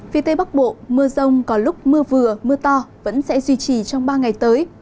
phía tây bắc bộ mưa rông có lúc mưa vừa mưa to vẫn sẽ duy trì trong ba ngày tới